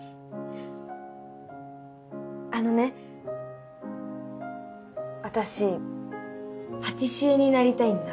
あのね私パティシエになりたいんだ。